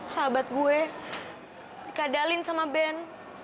sahabat gue dikadalin sama band